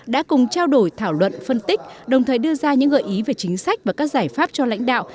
đã cùng trao đổi thảo luận phân tích đồng thời đưa ra những gợi ý về chính sách và các giải pháp cho lãnh đạo